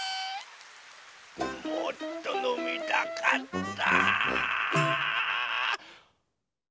もっとのみたかった！